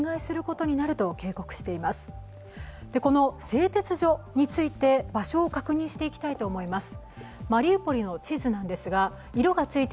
製鉄所について、場所を確認していきたいと思います。